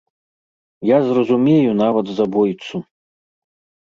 Я зразумею нават забойцу.